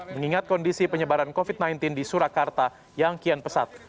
mengingat kondisi penyebaran covid sembilan belas di surakarta yang kian pesat